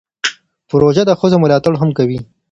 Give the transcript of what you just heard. پروژه د ښځو ملاتړ هم کوي.